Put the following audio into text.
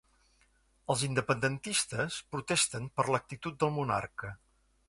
Els independentistes protesten per l'actitud del monarca